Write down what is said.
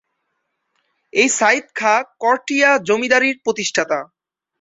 এই সাঈদ খাঁ করটিয়া জমিদারির প্রতিষ্ঠাতা।